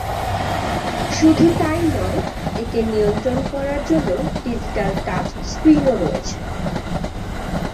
শুধু তাই নয়, একে নিয়ন্ত্রণ করার জন্য ডিজিটাল টাচ স্ক্রিনও রয়েছে।